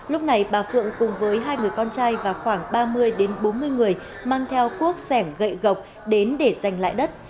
lúc này bà phượng cùng với hai người con trai và khoảng ba mươi bốn mươi người mang theo cuốc sẻng gậy gộc đến để giành lại đất